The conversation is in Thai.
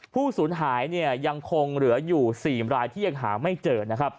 ผู้สูญหายยังคงเหลืออยู่๔หินวลายที่ยังหาไม่เจอ